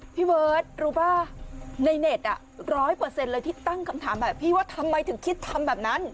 พี่เบิร์ตรู้ป่ะในเน็ตร้อยเปอร์เซ็นต์เลยที่ตั้งคำถามแบบพี่ว่าทำไมถึงคิดทำแบบนั้น